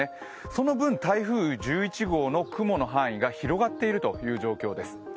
その分、台風１１号の雲の範囲が広がっているという状況です。